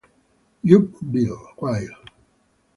Joop Wille